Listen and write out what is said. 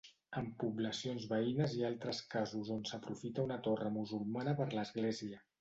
En poblacions veïnes hi ha altres casos on s'aprofita una torre musulmana per l'església.